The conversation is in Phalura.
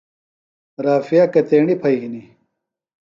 رافعہ کتیݨی پھئیۡ ہِنیۡ؟